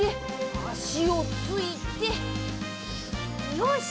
よし！